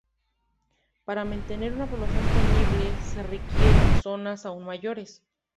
Para mantener una población sostenible, se requieren zonas aún mayores.